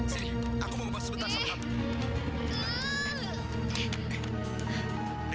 sini aku mau ngobrol sebentar sama tantri